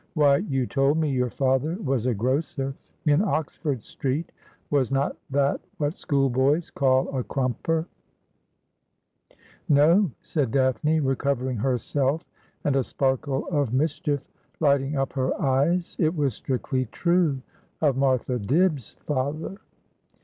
' Whj', you told me your father was a grocer in Oxford Street. Was not that what school boys call a crumper ?'' No,' said Daphne, recovering herself, and a sparkle of mis chief lighting up her eyes ;' it was strictly true — of Martha Dibb's father.'